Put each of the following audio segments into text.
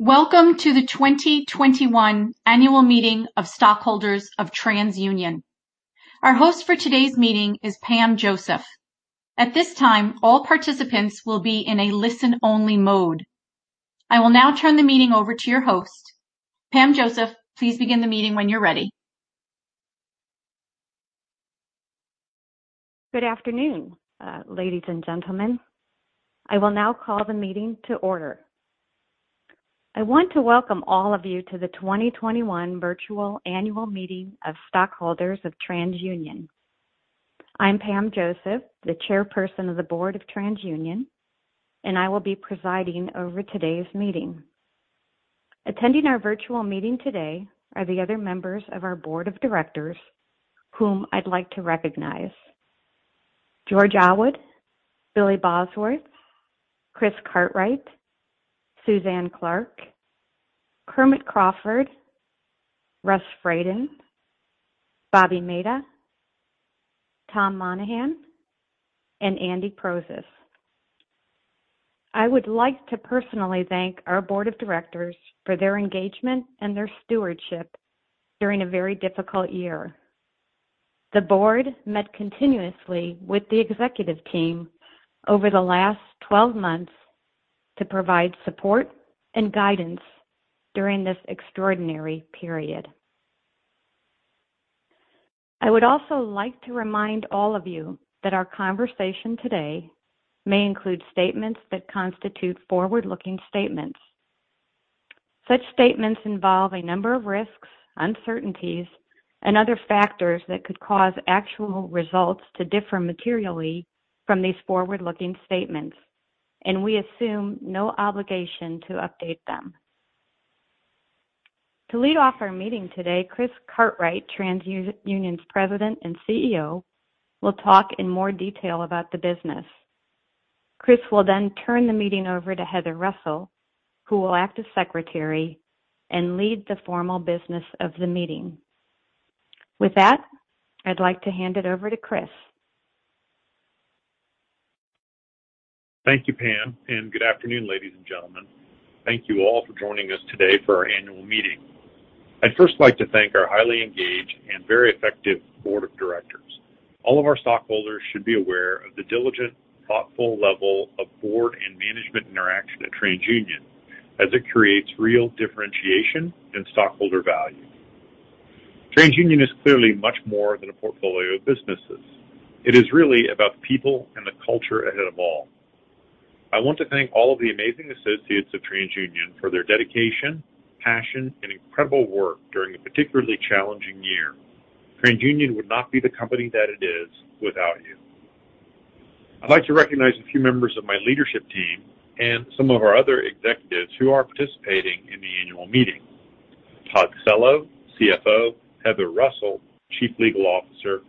Welcome to the 2021 Annual Meeting of Stockholders of TransUnion. Our host for today's meeting is Pam Joseph. At this time, all participants will be in a listen-only mode. I will now turn the meeting over to your host. Pam Joseph, please begin the meeting when you're ready. Good afternoon, ladies and gentlemen. I will now call the meeting to order. I want to welcome all of you to the 2021 Virtual Annual Meeting of Stockholders of TransUnion. I'm Pam Joseph, the Chairperson of the Board of TransUnion, and I will be presiding over today's meeting. Attending our virtual meeting today are the other members of our Board of Directors, whom I'd like to recognize: George Awad, Billy Bosworth, Chris Cartwright, Suzanne Clark, Kermit Crawford, Russ Fradin, Bobby Mehta, Tom Monahan, and Andrew Prozes. I would like to personally thank our Board of Directors for their engagement and their stewardship during a very difficult year. The Board met continuously with the executive team over the last 12 months to provide support and guidance during this extraordinary period. I would also like to remind all of you that our conversation today may include statements that constitute forward-looking statements. Such statements involve a number of risks, uncertainties, and other factors that could cause actual results to differ materially from these forward-looking statements, and we assume no obligation to update them. To lead off our meeting today, Chris Cartwright, TransUnion's President and CEO, will talk in more detail about the business. Chris will then turn the meeting over to Heather Russell, who will act as Secretary and lead the formal business of the meeting. With that, I'd like to hand it over to Chris. Thank you, Pam, and good afternoon, ladies and gentlemen. Thank you all for joining us today for our annual meeting. I'd first like to thank our highly engaged and very effective Board of Directors. All of our stockholders should be aware of the diligent, thoughtful level of board and management interaction at TransUnion, as it creates real differentiation and stockholder value. TransUnion is clearly much more than a portfolio of businesses. It is really about the people and the culture ahead of all. I want to thank all of the amazing associates of TransUnion for their dedication, passion, and incredible work during a particularly challenging year. TransUnion would not be the company that it is without you. I'd like to recognize a few members of my leadership team and some of our other executives who are participating in the annual meeting: Todd Cello, CFO, Heather Russell, Chief Legal Officer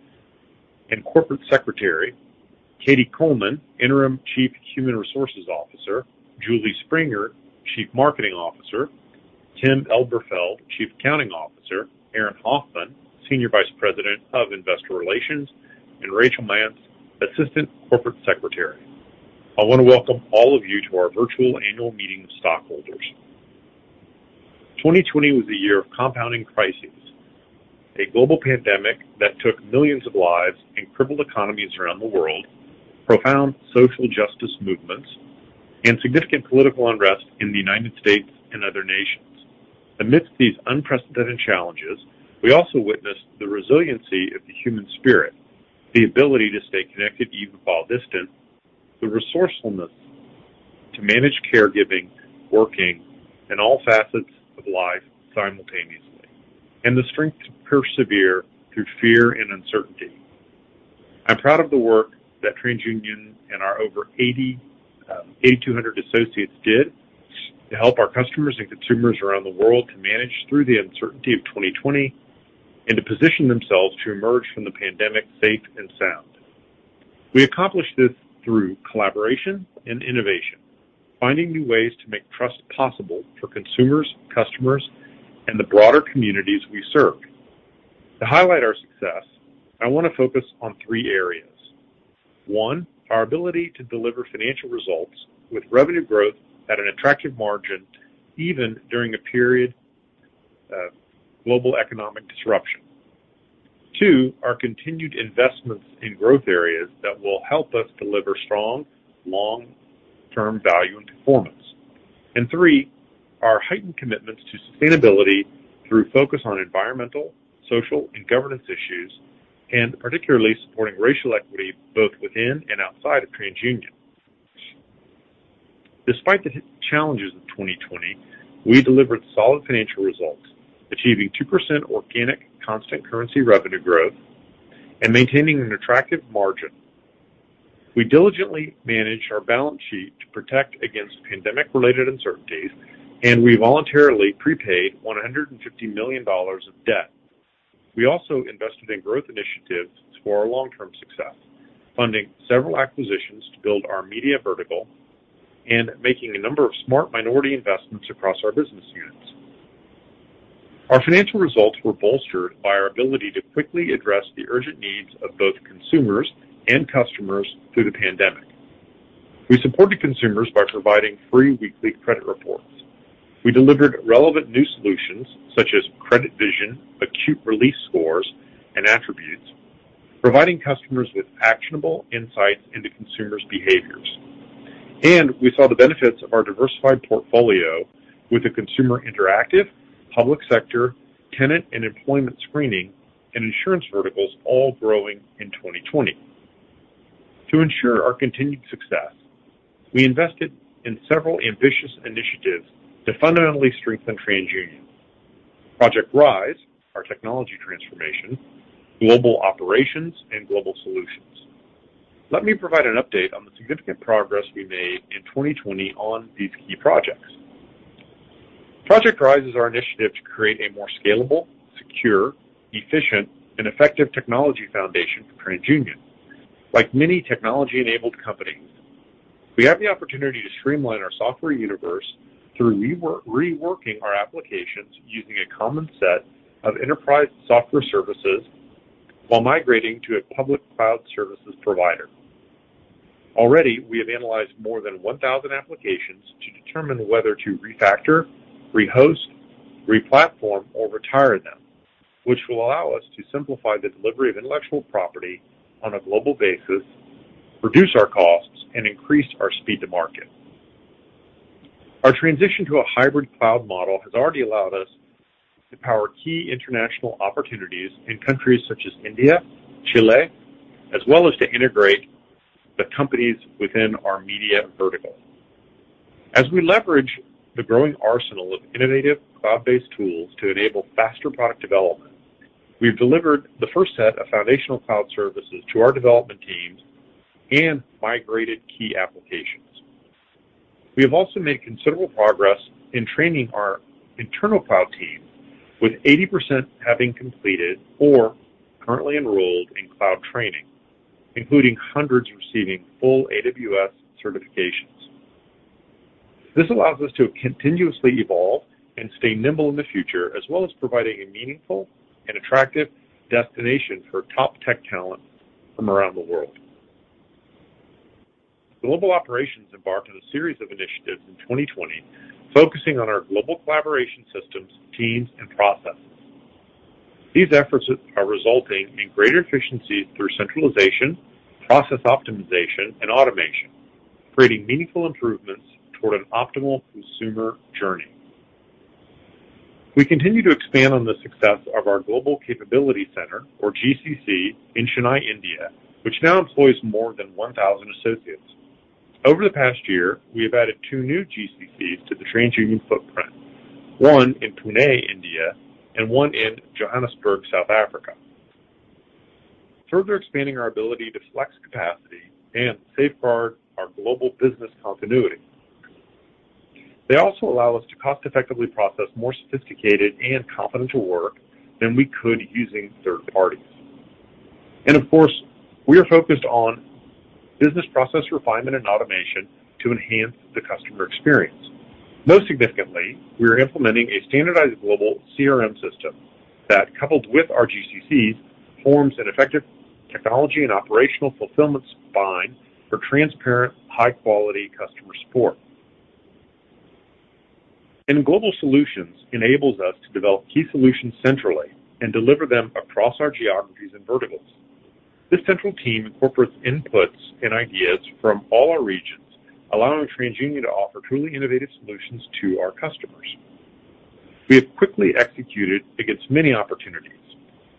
and Corporate Secretary, Katie Coleman, Interim Chief Human Resources Officer, Julie Springer, Chief Marketing Officer, Tim Elberfeld, Chief Accounting Officer, Aaron Hoffman, Senior Vice President of Investor Relations, and Rachael Mance, Assistant Corporate Secretary. I want to welcome all of you to our virtual annual meeting of stockholders. 2020 was a year of compounding crises: a global pandemic that took millions of lives and crippled economies around the world, profound social justice movements, and significant political unrest in the United States and other nations. Amidst these unprecedented challenges, we also witnessed the resiliency of the human spirit, the ability to stay connected even while distant, the resourcefulness to manage caregiving, working, and all facets of life simultaneously, and the strength to persevere through fear and uncertainty. I'm proud of the work that TransUnion and our over 8,200 associates did to help our customers and consumers around the world to manage through the uncertainty of 2020 and to position themselves to emerge from the pandemic safe and sound. We accomplished this through collaboration and innovation, finding new ways to make trust possible for consumers, customers, and the broader communities we serve. To highlight our success, I want to focus on three areas: one, our ability to deliver financial results with revenue growth at an attractive margin even during a period of global economic disruption, two, our continued investments in growth areas that will help us deliver strong long-term value and performance, and three, our heightened commitments to sustainability through focus on environmental, social, and governance issues, and particularly supporting racial equity both within and outside of TransUnion. Despite the challenges of 2020, we delivered solid financial results, achieving 2% organic constant currency revenue growth and maintaining an attractive margin. We diligently managed our balance sheet to protect against pandemic-related uncertainties, and we voluntarily prepaid $150 million of debt. We also invested in growth initiatives for our long-term success, funding several acquisitions to build our media vertical and making a number of smart minority investments across our business units. Our financial results were bolstered by our ability to quickly address the urgent needs of both consumers and customers through the pandemic. We supported consumers by providing free weekly credit reports. We delivered relevant new solutions such as CreditVision Acute Relief scores and attributes, providing customers with actionable insights into consumers' behaviors, and we saw the benefits of our diversified portfolio with a consumer interactive, public sector, tenant and employment screening, and insurance verticals all growing in 2020. To ensure our continued success, we invested in several ambitious initiatives to fundamentally strengthen TransUnion: Project RISE, our technology transformation, Global Operations, and Global Solutions. Let me provide an update on the significant progress we made in 2020 on these key projects. Project RISE is our initiative to create a more scalable, secure, efficient, and effective technology foundation for TransUnion. Like many technology-enabled companies, we have the opportunity to streamline our software universe through reworking our applications using a common set of enterprise software services while migrating to a public cloud services provider. Already, we have analyzed more than 1,000 applications to determine whether to refactor, re-host, re-platform, or retire them, which will allow us to simplify the delivery of intellectual property on a global basis, reduce our costs, and increase our speed to market. Our transition to a hybrid cloud model has already allowed us to power key international opportunities in countries such as India, Chile, as well as to integrate the companies within our media vertical. As we leverage the growing arsenal of innovative cloud-based tools to enable faster product development, we've delivered the first set of foundational cloud services to our development teams and migrated key applications. We have also made considerable progress in training our internal cloud team, with 80% having completed or currently enrolled in cloud training, including hundreds receiving full AWS certifications. This allows us to continuously evolve and stay nimble in the future, as well as providing a meaningful and attractive destination for top tech talent from around the world. Global Operations embarked on a series of initiatives in 2020 focusing on our global collaboration systems, teams, and processes. These efforts are resulting in greater efficiencies through centralization, process optimization, and automation, creating meaningful improvements toward an optimal consumer journey. We continue to expand on the success of our Global Capability Center, or GCC, in Chennai, India, which now employs more than 1,000 associates. Over the past year, we have added two new GCCs to the TransUnion footprint, one in Pune, India, and one in Johannesburg, South Africa, further expanding our ability to flex capacity and safeguard our global business continuity. They also allow us to cost-effectively process more sophisticated and confidential work than we could using third parties, and of course, we are focused on business process refinement and automation to enhance the customer experience. Most significantly, we are implementing a standardized global CRM system that, coupled with our GCCs, forms an effective technology and operational fulfillment spine for transparent, high-quality customer support, and Global Solutions enables us to develop key solutions centrally and deliver them across our geographies and verticals. This central team incorporates inputs and ideas from all our regions, allowing TransUnion to offer truly innovative solutions to our customers. We have quickly executed against many opportunities,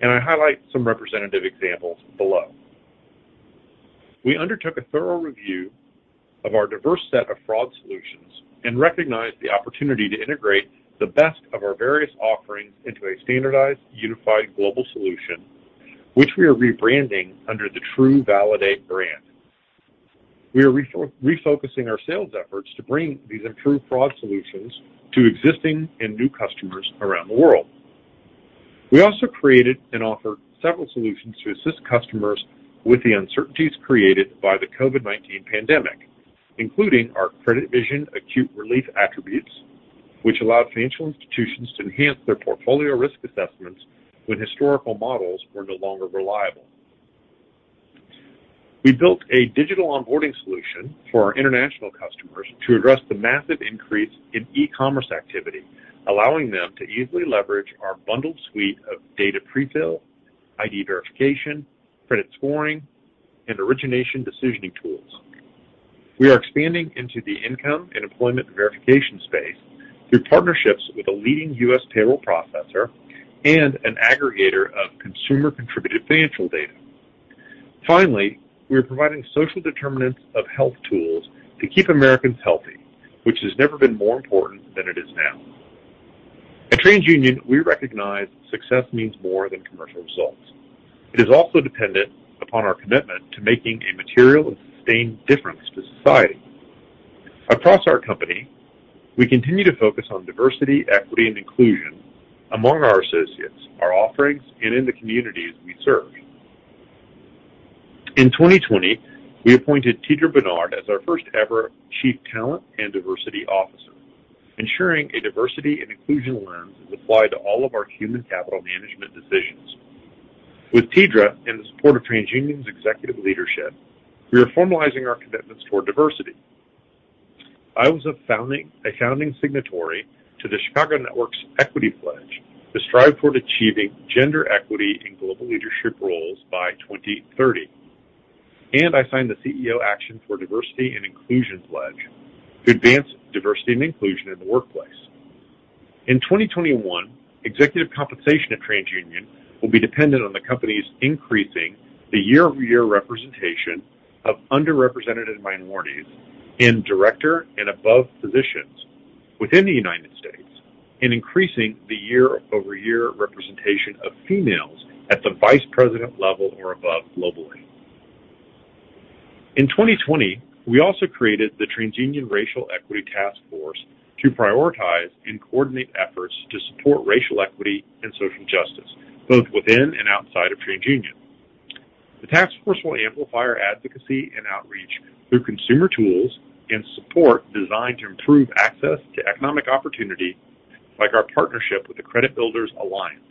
and I highlight some representative examples below. We undertook a thorough review of our diverse set of fraud solutions and recognized the opportunity to integrate the best of our various offerings into a standardized unified global solution, which we are rebranding under the TrueValidate brand. We are refocusing our sales efforts to bring these improved fraud solutions to existing and new customers around the world. We also created and offered several solutions to assist customers with the uncertainties created by the COVID-19 pandemic, including our CreditVision Acute Relief attributes, which allowed financial institutions to enhance their portfolio risk assessments when historical models were no longer reliable. We built a digital onboarding solution for our international customers to address the massive increase in e-commerce activity, allowing them to easily leverage our bundled suite of data prefill, ID verification, credit scoring, and origination decisioning tools. We are expanding into the income and employment verification space through partnerships with a leading U.S. payroll processor and an aggregator of consumer-contributed financial data. Finally, we are providing social determinants of health tools to keep Americans healthy, which has never been more important than it is now. At TransUnion, we recognize success means more than commercial results. It is also dependent upon our commitment to making a material and sustained difference to society. Across our company, we continue to focus on diversity, equity, and inclusion among our associates, our offerings, and in the communities we serve. In 2020, we appointed Teedra Bernard as our first-ever Chief Talent and Diversity Officer, ensuring a diversity and inclusion lens is applied to all of our human capital management decisions. With Teedra and the support of TransUnion's executive leadership, we are formalizing our commitments toward diversity. I was a founding signatory to the Chicago Network's Equity Pledge to strive toward achieving gender equity in global leadership roles by 2030, and I signed the CEO Action for Diversity and Inclusion Pledge to advance diversity and inclusion in the workplace. In 2021, executive compensation at TransUnion will be dependent on the company's increasing the year-over-year representation of underrepresented minorities in director and above positions within the United States and increasing the year-over-year representation of females at the vice president level or above globally. In 2020, we also created the TransUnion Racial Equity Task Force to prioritize and coordinate efforts to support racial equity and social justice both within and outside of TransUnion. The task force will amplify our advocacy and outreach through consumer tools and support designed to improve access to economic opportunity, like our partnership with the Credit Builders Alliance,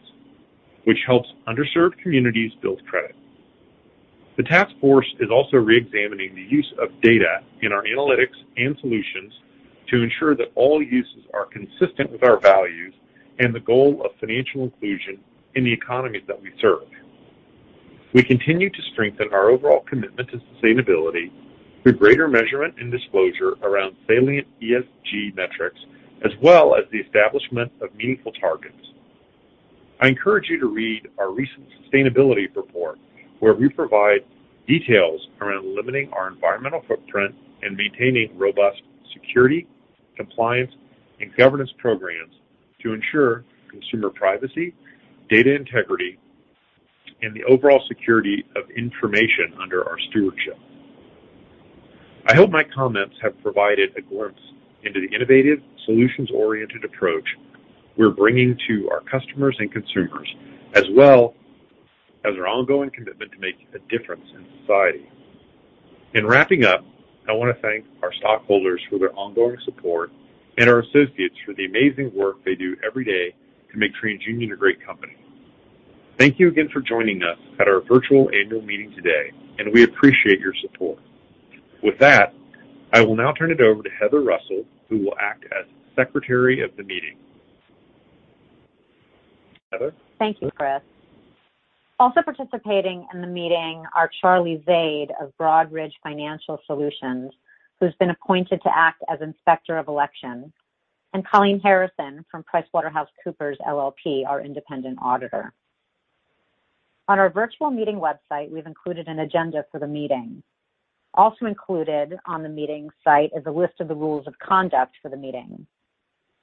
which helps underserved communities build credit. The task force is also re-examining the use of data in our analytics and solutions to ensure that all uses are consistent with our values and the goal of financial inclusion in the economies that we serve. We continue to strengthen our overall commitment to sustainability through greater measurement and disclosure around salient ESG metrics, as well as the establishment of meaningful targets. I encourage you to read our recent sustainability report, where we provide details around limiting our environmental footprint and maintaining robust security, compliance, and governance programs to ensure consumer privacy, data integrity, and the overall security of information under our stewardship. I hope my comments have provided a glimpse into the innovative, solutions-oriented approach we're bringing to our customers and consumers, as well as our ongoing commitment to make a difference in society. In wrapping up, I want to thank our stockholders for their ongoing support and our associates for the amazing work they do every day to make TransUnion a great company. Thank you again for joining us at our virtual annual meeting today, and we appreciate your support. With that, I will now turn it over to Heather Russell, who will act as Secretary of the meeting. Heather? Thank you, Chris. Also participating in the meeting are Charlie Wade of Broadridge Financial Solutions, who's been appointed to act as Inspector of Election, and Colleen Harrison from PricewaterhouseCoopers LLP, our independent auditor. On our virtual meeting website, we've included an agenda for the meeting. Also included on the meeting site is a list of the rules of conduct for the meeting.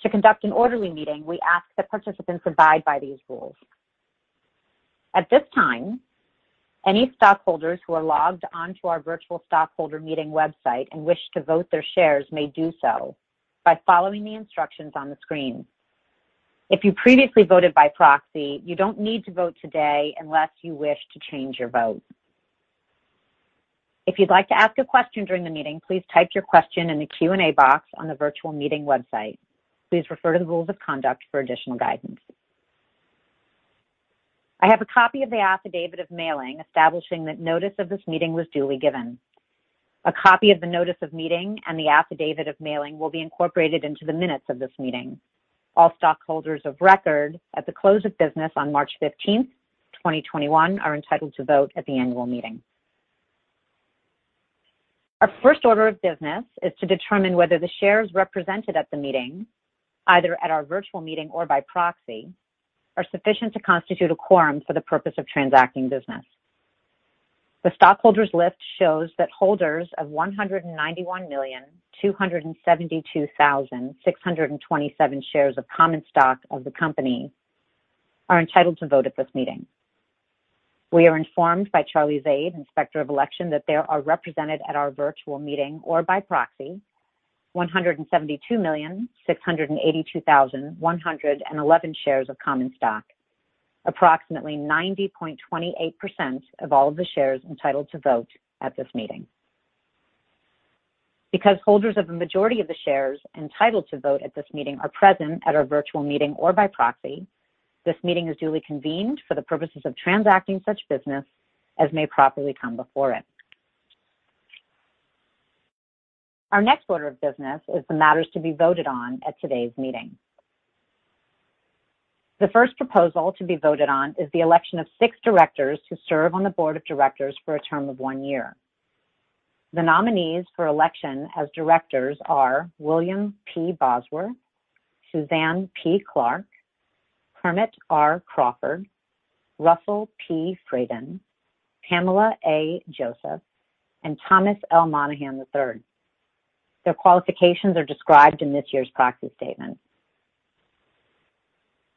To conduct an orderly meeting, we ask that participants abide by these rules. At this time, any stockholders who are logged onto our virtual stockholder meeting website and wish to vote their shares may do so by following the instructions on the screen. If you previously voted by proxy, you don't need to vote today unless you wish to change your vote. If you'd like to ask a question during the meeting, please type your question in the Q&A box on the virtual meeting website. Please refer to the rules of conduct for additional guidance. I have a copy of the affidavit of mailing establishing that notice of this meeting was duly given. A copy of the notice of meeting and the affidavit of mailing will be incorporated into the minutes of this meeting. All stockholders of record at the close of business on March 15th, 2021, are entitled to vote at the annual meeting. Our first order of business is to determine whether the shares represented at the meeting, either at our virtual meeting or by proxy, are sufficient to constitute a quorum for the purpose of transacting business. The stockholders' list shows that holders of 191,272,627 shares of common stock of the company are entitled to vote at this meeting. We are informed by Charlie Wade, Inspector of Election, that they are represented at our virtual meeting or by proxy, 172,682,111 shares of common stock, approximately 90.28% of all of the shares entitled to vote at this meeting. Because holders of the majority of the shares entitled to vote at this meeting are present at our virtual meeting or by proxy, this meeting is duly convened for the purposes of transacting such business as may properly come before it. Our next order of business is the matters to be voted on at today's meeting. The first proposal to be voted on is the election of six directors to serve on the board of directors for a term of one year. The nominees for election as directors are William P. Bosworth, Suzanne P. Clark, Kermit R. Crawford, Russell P. Fradin, Pamela A. Joseph, and Thomas L. Monahan III. Their qualifications are described in this year's proxy statement.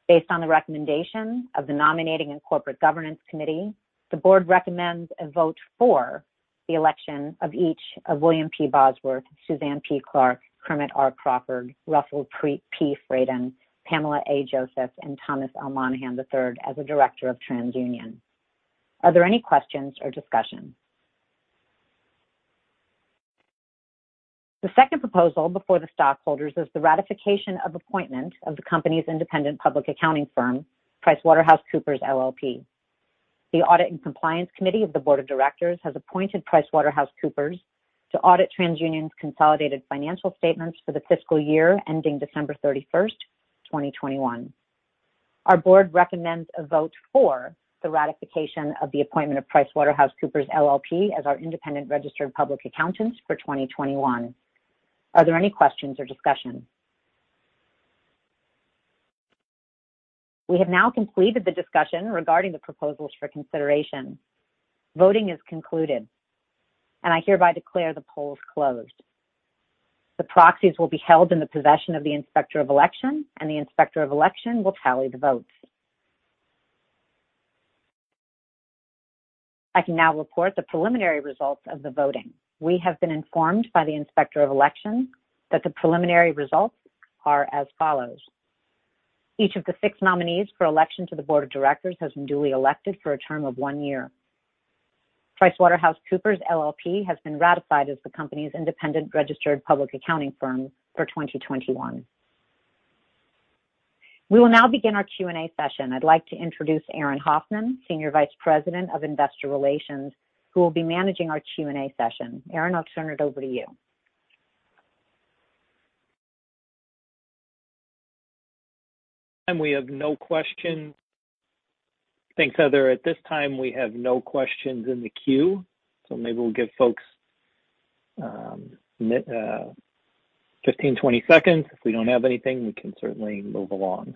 Based on the recommendation of the Nominating and Corporate Governance Committee, the board recommends a vote for the election of each of William P. Bosworth, Suzanne P. Clark, Kermit R. Crawford, Russell P. Fradin, Pamela A. Joseph, and Thomas L. Monahan III as a director of TransUnion. Are there any questions or discussion? The second proposal before the stockholders is the ratification of appointment of the company's independent public accounting firm, PricewaterhouseCoopers LLP. The Audit and Compliance Committee of the board of directors has appointed PricewaterhouseCoopers to audit TransUnion's consolidated financial statements for the fiscal year ending December 31st, 2021. Our board recommends a vote for the ratification of the appointment of PricewaterhouseCoopers LLP as our independent registered public accountants for 2021. Are there any questions or discussion? We have now completed the discussion regarding the proposals for consideration. Voting is concluded, and I hereby declare the polls closed. The proxies will be held in the possession of the Inspector of Election, and the Inspector of Election will tally the votes. I can now report the preliminary results of the voting. We have been informed by the Inspector of Election that the preliminary results are as follows. Each of the six nominees for election to the board of directors has been duly elected for a term of one year. PricewaterhouseCoopers LLP has been ratified as the company's independent registered public accounting firm for 2021. We will now begin our Q&A session. I'd like to introduce Aaron Hoffman, Senior Vice President of Investor Relations, who will be managing our Q&A session. Aaron, I'll turn it over to you. We have no questions. Thanks, Heather. At this time, we have no questions in the queue, so maybe we'll give folks 15, 20 seconds. If we don't have anything, we can certainly move along,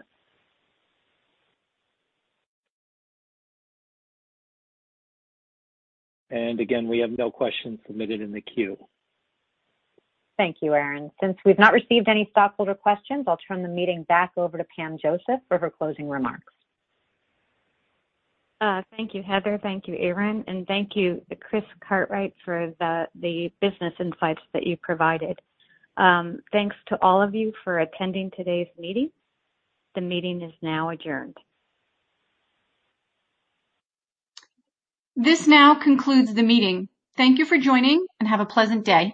and again, we have no questions submitted in the queue. Thank you, Aaron. Since we've not received any stockholder questions, I'll turn the meeting back over to Pam Joseph for her closing remarks. Thank you, Heather. Thank you, Aaron, and thank you, Chris Cartwright, for the business insights that you provided. Thanks to all of you for attending today's meeting. The meeting is now adjourned. This now concludes the meeting. Thank you for joining, and have a pleasant day.